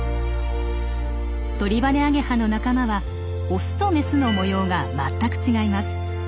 トリバネアゲハの仲間はオスとメスの模様が全く違います。